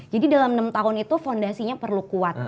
jadi dalam enam tahun itu fondasinya perlu kuat